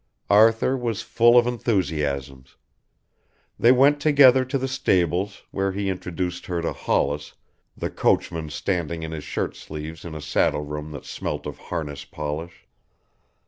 Arthur was full of enthusiasms. They went together to the stables, where he introduced her to Hollis, the coachman standing in his shirtsleeves in a saddle room that smelt of harness polish.